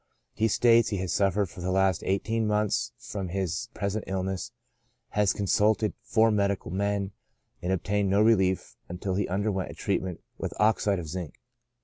He states he has suffered for the last eighteen months from his present illness, has consulted four medical men, and obtained no relief until he underwent a treatment with oxide of zinc."